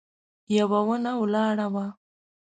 يوه ونه ولاړه وه.